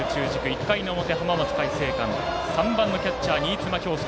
１回の表、浜松開誠館３番のキャッチャー、新妻恭介。